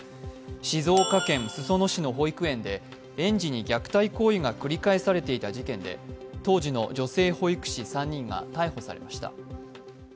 静岡県裾野市の保育園で園児に虐待行為が繰り返されていた事件で当時の女性保育士３人が逮捕されました。